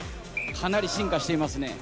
かなり進化していますね。